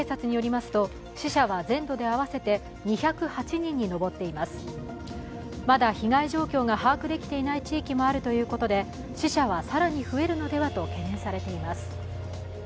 まだ被害状況が把握できていない地域もあるということで死者は更に増えるのではと懸念されています。